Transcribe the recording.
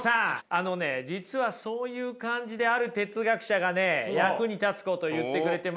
あのね実はそういう感じである哲学者がね役に立つこと言ってくれてますよ。